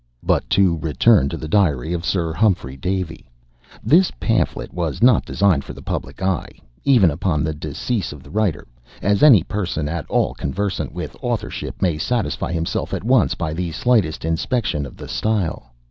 But to return to the 'Diary' of Sir Humphrey Davy. This pamphlet was not designed for the public eye, even upon the decease of the writer, as any person at all conversant with authorship may satisfy himself at once by the slightest inspection of the style.